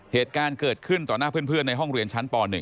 เหตุการณ์เกิดขึ้นต่อหน้าเพื่อนในห้องเรียนชั้นป๑